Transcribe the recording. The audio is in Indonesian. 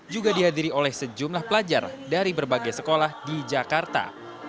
juga dihadiri oleh sejumlah pelajar dari berbagai sekolah di jakarta